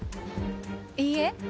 いいえ。